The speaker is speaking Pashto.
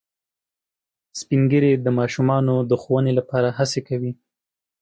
سپین ږیری د ماشومانو د ښوونې لپاره هڅې کوي